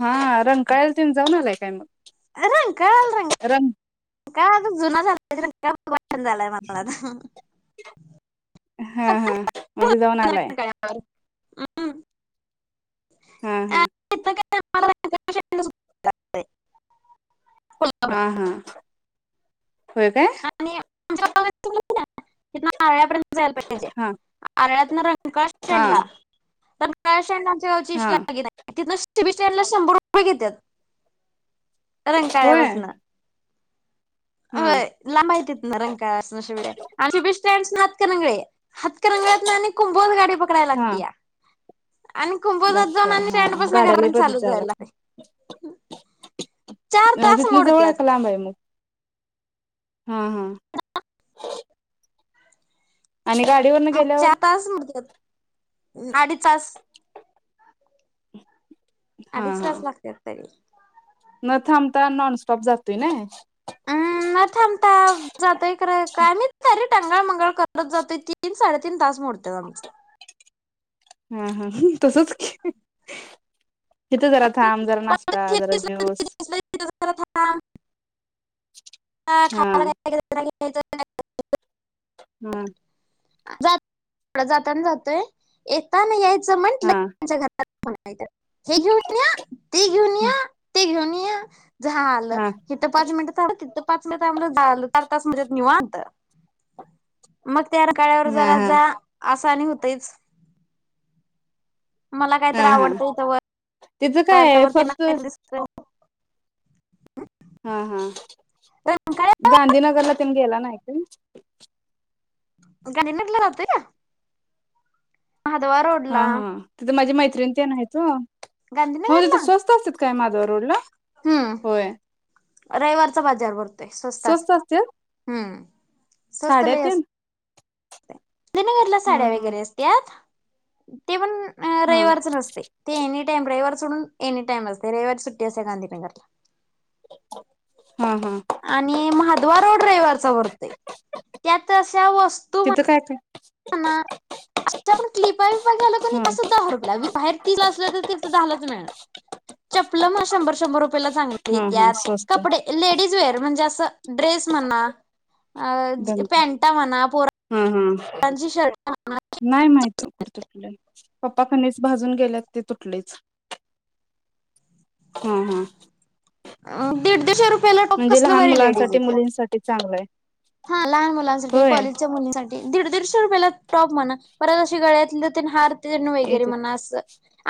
हा रंगकाळेल तन जाऊनलाय? काय मग. रंकाळ्याला रंग का जुना झालाय. झालंय मला हा. हा हा म्हणजे जाऊन आलाय, रंकाळ्यावर. हम्म. हा, हा. [unintelligible] हा हा होय काय. आणि [unintelligible] पर्यंत जायला पाहिजे हा आरळ्यात नरं रंकाळा हा स्टॅन्ड ला. पशे ना हा नाही. बीर ल शंभर रुपय घेत्यात. रण होय काळ्यापासन हा अय माहिती ना रंका आम बे स्नातकंग हतकर रंगळत ना आणि कुंभद गाडी पकडायला हा लागते, या आणि कमपोजात जाऊन लागत्या हा आणिँडपासून गाड्या लय घर बदल चालू जायला.... चार तास लागत्यात तिथनं जवळ आहे का मोडतत. लांब आहे मग हा हा. आणि गाडीवर न गेल्यावर अडीचास हा अडीच हा तास लागतेात तरी थांबता नॉनस्टॉप जातोय ना. हम् नाही थांबता जातय काय मी ायरेक्ट. टांंगाळ मंगाळ करत जातोय तीन साडेतीीन तास मोडत आमच हा हा तसच. तिथे जरा थांब जरा परत नाश्ता हे जरा दिसलं ते ज्यूस दिसलं ह खा. हा [inaudible] हम्म. ड जाताना जातोय एकताण यायच. हा म्हंटलंच्या घ मा आहे. हे घेऊन या ते घेऊन हा या ते घेऊन ये. झा आलं हा किथं पाच मिनटं ड तिथ पाच त मग त्या काळा्यावर जरा हा जा आसानी तेच मला कायत हा हा आवडतंयथ व तिचं तरता काय वर ते फक्त नाही दिस हा हा रंकाळ्यात गांधीनगरला तुम गेला नाही. हम्. गांधी नगरला राहतोय ना? हा हा तिथं माझी मैत त्रिन तेन आहेत वो. हो तिथं गांधीनगरला स्वस्त असत्यात काय महाद्वार रोडलां? हम्म रविवारचा बाजार भरतोय स्वस्त असते. हम्म. साड्या तेन गनगरला हा साड्या हा. वगैरे असत्यात. ते पण अ हा रइवारच नसतय ते येणीट टाईम रइवार सोडून एनी टाइम असतय, रइवारी सुट्टी असत्या गांधीनगरला. हा हा आणि महाद्वार रोड रइवारचा भरतोय. त्या तशा वस तिथं काय, काय? णार आष्ट्या पर् क्लीप काय पण झाल क नइ हा तसच दहा रुपयाला वि हर तीसला असल तर तिथं दहलाच मिळणारं, चप्पल म शंभर-शंभर रू रुपयाला चांगली हा हा येतात, स्वस्त कपडे लेडीज वेअर म्हणजे असं ड्रेस म्हणा अ जि पँटा म्हणा पोरा नाय माहित कुठ तरपडलन पप्पा कणीस भाजून गेल्यात ते तुटलयच‌. हा, हा. दीड-दीडशे रुपयाला टॉप म्हणजे कसल लहान भारी लेडीज मुलांसाठी येत्यात. मुलींसाठी चांगलं आहे. हा लहान मुलांसाठी, होय कॉलेजच्या मुलींसाठी दीड-दीडशे रुपयला टॉप म्हणा परत अशी गळ्यातलीत तेन हार वगैरे येत्यात म्हणा असं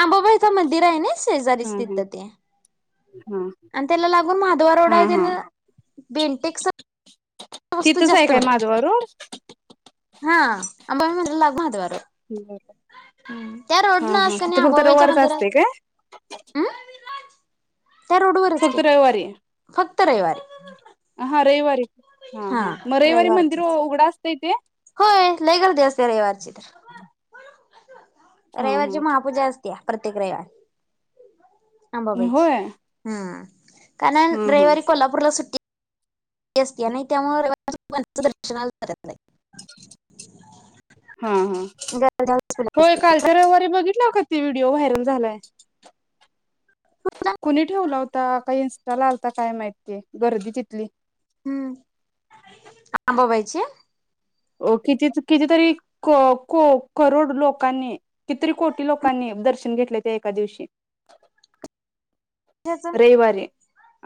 आंबाबाईच मंदिर आहे ना हा शेजारीच हा तिथं ते, हा आणि त्याला लागून महाव्दार रोड हा आहे तेन हा बेंटेक्स वस्तू तिथंचय जास्त काय मिळतात माधवा रोड? हा अंबाबाई मदि लागून महाद्वार रोड. ठिकय ठि त्या हा रोड न हा असं कणी तिथं फक्त आंबाबाईच्या रऊवारच मंदिरात असतय काय? हम्म त्या रोडवरच फक्त की रइवारी फक्त रविवारी हा रइवारी. हा, हा म रविवारी मंदिर उघड अस होय लय गर्दी असत्या रइवारची तर. [unintelligible] हा रविवारची हा महापूजा अस त्या प्रत्येक रवी अंबाबाईची होय हम्म कारण हा हा रविवारी कोल्हापूरला सुट्टी अस आणि त्यामुळे रविवारचा अंबाबाईच्या दर्शना जात येत नाही. हा-हा होय असते कालच्या रविवारी बघितलं का ते व्हिडिओ व्हायरल झालाय. [unintelligible] कुणी ठेवला होता काही इंस्टाला आलता काय माहिती. गर्दी तिथली हम्म अंबाबाईची अ किती कितीतरी को को करोड लोकांनी कितीतरी कोटी लोकांनी दर्शन घेतले ते एका दिवशी त्याच रविवारी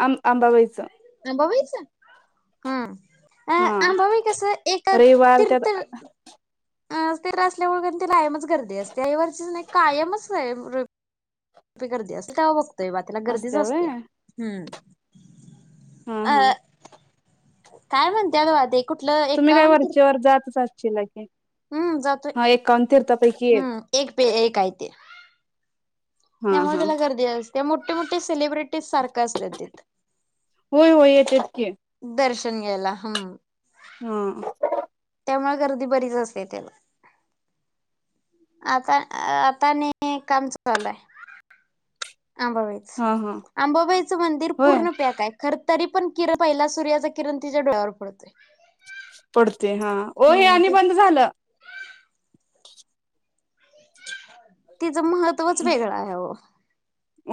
अं अंबाबाईच अंबाबाईच हा हा अंबाबाई कसं ऐक रविवार त्यात तीर्थ अ ते र असल्यामुळे कायम ती कायमच गर्दी असते रविवारची नाही कायमच आहे रविवारची गर्दी असते त्या दैवातला गर्दीच असत्या व्हय असते हम्म हा हा अ काय म्हणतेलध तुम्ही काय वरचेवर जातच ची लागे हम्म जातोय हम्म एक पे एक आहेय ते हा त्यामुळे त्याला गर्दी असते. त्या मोठी मोठे सेलब्रटी होय-होय येतेत की तिथून गेला हम्म हम्म त्यामुळे गर्दी बरीच असते त्याला आता आता नी काम चालय आंबाबाईच हा हा आंबाबाईचं मंदिर होय पूर्ण बॅक हाय खर तरी पण किरण पहिला सूर्याचा किरण तिच्या डोळ्यावर पडतोय. पडते हा ओ हे हम्म आणि बंद झालं. तिचं महत्त्वच वेगळं आहे हो.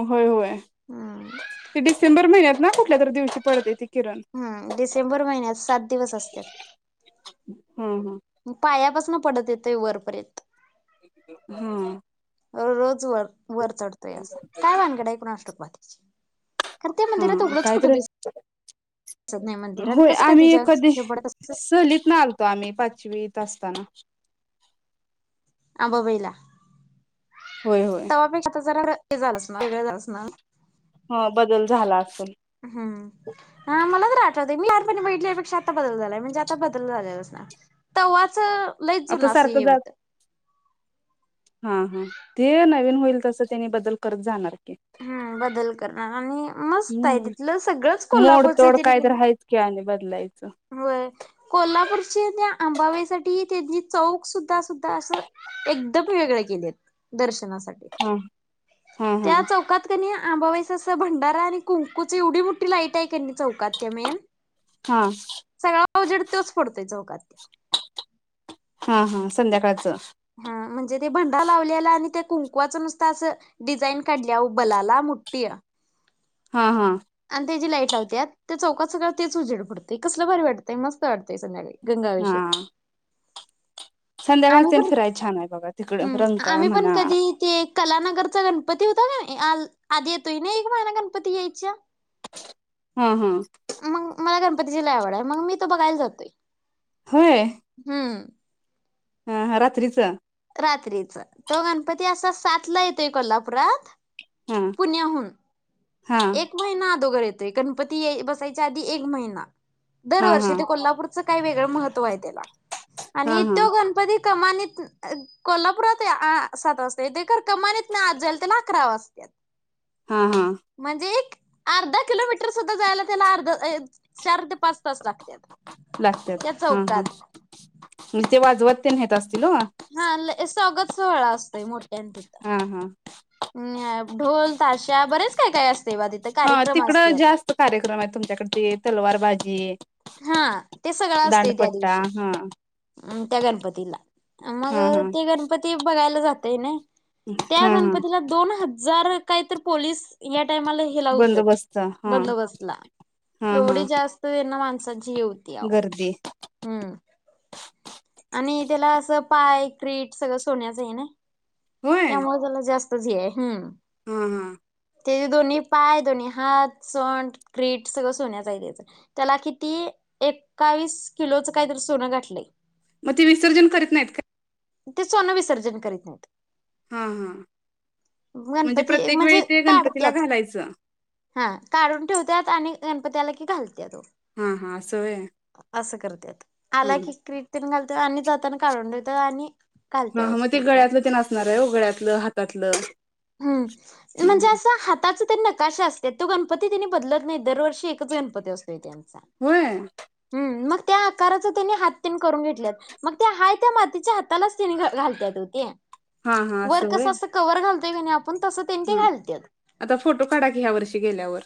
होय होय. हम्म ते दिसंबर महिन्यात ना कुठल्या तरी दिवशी पडतय ते हम्म. डिसेंबर महिन्यात सात दिवस असत्यात. हा हा पायापासून पूर्ण पडत येतय वरपर्यंत हं. रोज वर वर चढतोय असा काय भानगडं हाय कुणास ठाऊक बा. [inaudible] हं. कायतरी दिसत नाही मंदिर आणि होय कसं काय आम्ही तिच्या कधी हे पडत अस सहलीतनं आलतो आम्ही पा - - चवीत असताना आंबाबाईला. होय होय तवापेक्ष आता जरा वेगळ झाल वेगळं झालं असनारं. ह बदल झाला असेल हम् हा मला तर आठवतयं होत मी लहानपणी बगितल्यापेक्षा आता बदल झालाय. म्हणजे आता बदल झाले असणार तवाच लईचं जुनं आता असं सारखं हे जात हुतं. हा हा ते नवीन होईल तस त्यांनी बदल करत जाणार. की हम्म बदल करणार आणि मस्त आहे हम्म तिथलं सगळंच कोल्हापूरचं आहे मोडतोड तिरी काय कि तर आहेच की आणि बदलायचं वय कोल्हापूरच्या त्या आंबाबाईसाठी त्यांनि चौक सुद्धा सुद्धा असं एक [unintelligible] वेगळे केलेत दर्शनास. हा हा हा त्या चौकात कनि आंबावाईस असं भंडारा आणि कुंकूची एवढी मोठी लाईट हाय कनी चौकात त्या मेन - - हा. सगळा उजेड तोच पडतोय चौकात. हा हा संध्याकाळचं. हा म्हणजे ते भंडार लावलेला आणि त्या कुंकुवाचं नुसत असं डिझाईन काढल्या बलाला मुठठी हा हा. ते जी लाईट लावत्यातं ते चौकात सगळं तेच उजड पडतोय कसलं भारी वाटतय. मस्त वाटतयं संध्याकाळी. गंगावेषेत हा आम्ही संध्याकाळच तेन पण फिराय छान आहे बघा तिकडं हम्म रंकाळा आम्ही पण म्हणा कधी ते कलानगरचा गणपती होत - - [unintelligible] आ आधी येतोय नइ. मान गणपती जयच - - हम्म हम्. तीजी लई आवड हाय. मग मी हितं बघयला जातोय. होय हम्म. हा रात्रीच रात्रीचा तो गणपती असा सातला येतोय कोल्हापुरात हा पुण्या्यह हा एक महिना अदोगर येत गणपती बसायच्या आधी एक महिना हा हा दरवर्षी ते कोल्हापूर काही वेगळं महत्व आहे त्याला आणि हा हा येतो गणपती कमानीत कोल्हापुरात सात वाजता ते कमानीत ना आज जाल त्याला अकरा वाजत हा हा म्हणजे एक अर्धा किलोमीटर सुद्धा जायला त्याला अर्धा चार पाच तास लागत लागत्यात त्या हा हा चौकात ते वाजवत ते नेतत हा स्वागत सोहळा असतोय मोठ्या तिथं हा हा हम ढोल ताश्या बरेच काय काय असत हा तिकडं जास्त कार्यक्रम आहे तुमच्याकड तलवार भाजी हा ते सगळं असते त्या दिवशी हा त्या गणपतीला मग हा हा ते गणपती बघायला जातय नाही त्या हा हा गणपतीला दोन हद् जर काहीत पोलीस या बव बंदोबस्त हा हा हा सजी येवती आव गर्दी हम्म आणि त्याला असं पाय क्र्रीट सगळं सोन्याचं आहे ना त्यामुळे त्याला जास्त तथ आहे ह्म हम्म हम् त्याचे दोन्ही पाय दोन्ही हात सण क्र्रीट सगळं सोन्याच आहे त्याच त्याला किती एक्कावीस किलोच काहीतरी सोनं गाठलंय मग ते विसर्जन करत नाहीत का ते सोन विसर्जन करीत नाही हा हा म्हणजे गणपती एक प्रत्येक वेळी म्हणजे ते गणपतीला काढत्यात घालायचं हा काढून ठेवत्यात आणि गणपती आल की घाल हा हा असं व्हय अस करत हा आला की क घालतात आणि जाताना काढून ठेवतात आणि हा घालत्यात मग असं ते करत्यात गळ्यातलं ते असणार आहे हो गळ्यातलं हातातलं हम् हम्म, म्हणजे हम्म. अस हातात काशा असत तो गणपती त्यांनी बदलत नाही दरर्षी एकच गणपती असतो चा होय हम्म मग त्या आकाराचत तेन हात तेन करून घेतल्यात मग त्या हाय त्या मातीच्या हातालाच तिने घालत्यात ते वर कस अस कवर घाल ते आपण तसं तेन ते हम घालत्यात आता फोटो काढा की ह्या वर्षी गेल्यावर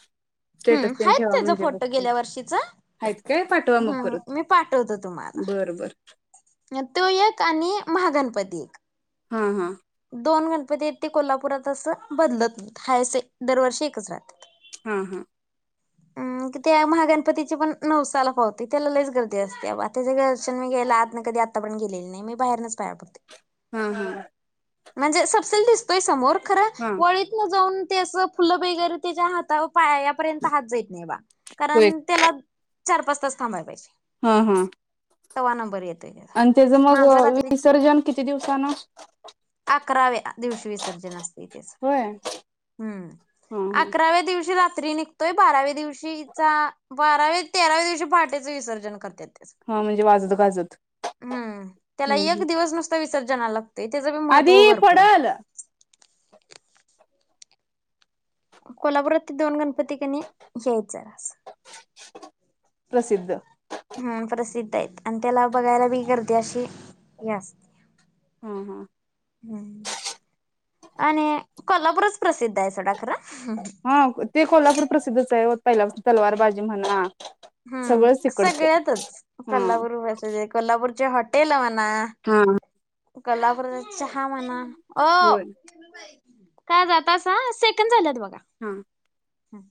हम् स्टेटस तेन आहेतच ठेवा त्याचा म्हणजे फोटो बघतो गेल्या वर्षीचा आहेत काय पाठवा मग परत हम् मी पाठवतो तुम्हाला बर बर तुयक आणि महागणपती एक हा हा. दोन गणपती आहेत ते कोल्हापुरात असं बदलत हाय असे दरवर्षी एकच राहतात हा हा हम कि त्या महागणपतीची पण नऊसाला पावती त्याला लईच गर्दी असते आता ज दर्शन मी गेयला आज ना कधी आता पण गेलेली नाही मी बाहेरनच पाहा फघते हम्म हम् म्हणजे सबसिडी दिसतोय समोर खर हा वळीतनं जाऊन ते असं फुलं वैगैरे त्याच्या हाताव पायापर्यंत हात जाईत नाही बा होय कारण त्याला चार पाच तास थांभाय पाहिजे हा हा तवा नंबर येत आणि त्याच मग विसर्जन किती दिवसान अकराव्या दिवशी विसर्जन असतय त्याच होय हम्म हा हा अकराव्या दिव दिवशी रात्री निघतोय बारा्व्या दिव कीचा बारावी तेराव्या दिवशी पहाटेच विसर्जन करत्यात हा म्हणजे वाजत गाजत हम्म त्याला हम्म एक हम्म. दिवस नुसत विस ज्यांना लागते तेच आधी पडल कोल्हापुरात ते दोन गन प्रत्येकाने यायचंय अस प्रसिद्ध ह प्रसिद्ध ते म्हणतात त्याला बघायला बी करते अशी यास हम हम ह् आणि कोल्हापूरच प्रसिद्ध आहे सोडा खर हा ते खोलास तर प्रसिद्धच आहे हो पहिलापासुनच तलवार बाजी म्हणा सगळंच हम्म तिकडचं सगळ्यातच हा कोल्हापूर भाषेचे व कोल्हापूरचे हॉट ये लव एन ना हा. ककोल्हापूरच सहा मना ओ होय काय जातासा सेकंद झालेत बघ. हा हम